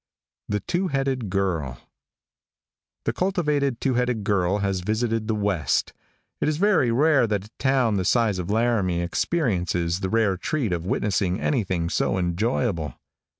THE TWO HEADED GIRL |THE cultivated two headed girl has visited the west. It is very rare that a town the size of Laramie experiences the rare treat of witnessing anything so enjoyable.